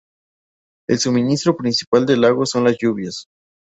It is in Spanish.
El suministro principal del lago son las lluvias.